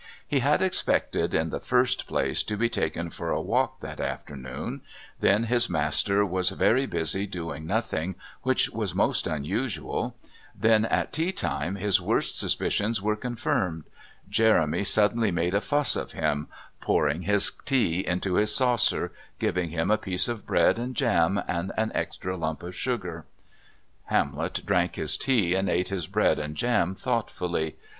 He had expected, in the first place, to be taken for a walk that afternoon; then his master was very busy doing nothing, which was most unusual. Then at tea time his worst suspicions were confirmed. Jeremy suddenly made a fuss of him, pouring his tea into his saucer, giving him a piece of bread and jam and an extra lump of sugar. Hamlet drank his tea and ate his bread and jam thoughtfully.